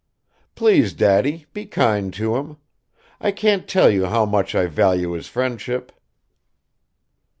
"Please, Daddy, be kind to him. I can't tell you how much I value his friendship."